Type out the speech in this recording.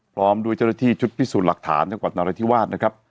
พร้อมด้วยเจ้าหน้าที่ชุดพิสูจน์หลักฐานจังหวัดนราธิวาสนะครับ